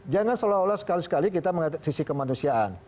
jangan seolah olah sekali sekali kita mengatasi sisi kemanusiaan